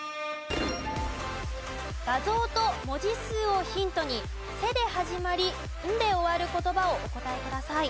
画像と文字数をヒントに「せ」で始まり「ん」で終わる言葉をお答えください。